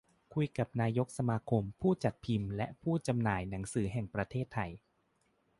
คุยกับนายกสมาคมผู้จัดพิมพ์และผู้จำหน่ายหนังสือแห่งประเทศไทย